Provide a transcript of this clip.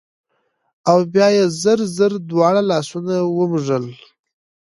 او بيا يې زر زر دواړه لاسونه ومږل